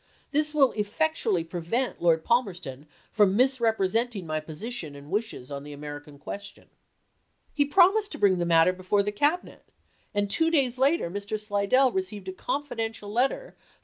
This will effectually prevent Lord Palmerston from misrepresenting my position and wishes on the American question." He promised to bring the matter before the Cab inet, and two days later Mr. Slidell received a confidential letter from M.